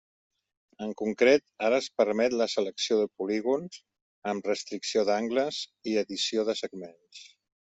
En concret ara es permet la selecció de polígons, amb restricció d'angles i edició de segments.